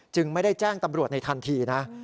ไม่ได้แจ้งตำรวจในทันทีนะ